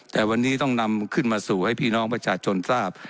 แต่วันนี้ต้องนำขึ้นมาสู่ให้พี่น้องประชาชนทราบ